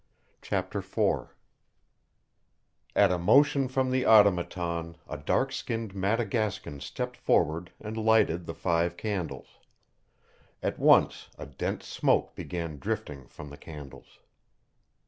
CHAPTER IV At a motion from the Automaton a dark skinned Madagascan stepped forward and lighted the five candles. At once a dense smoke began drifting from the candles.